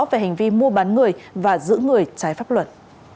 về hành vi mua bán người và giữ người trái pháp luật